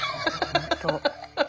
本当。